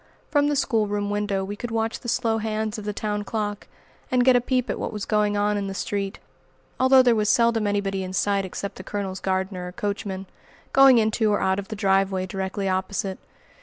From the schoolroom window we could watch the slow hands of the town clock and get a peep at what was going on in the street, although there was seldom anybody in sight except the Colonel's gardener or coachman, going into or out of the driveway directly opposite.